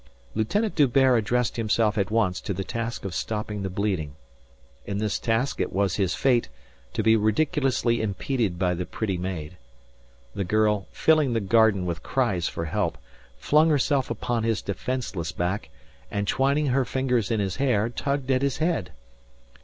Lieutenant D'Hubert addressed himself at once to the task of stopping the bleeding. In this task it was his fate to be ridiculously impeded by the pretty maid. The girl, filling the garden with cries for help, flung herself upon his defenceless back and, twining her fingers in his hair, tugged at his head.